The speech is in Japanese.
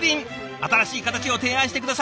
新しい形を提案して下さいました。